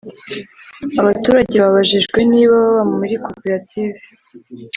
Abaturage babajijwe niba baba muri koperative